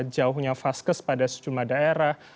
jauhnya vaskes pada sejumlah daerah